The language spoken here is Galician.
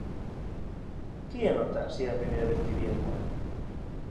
qué ía notar se era a primeira vez que vía a iguana;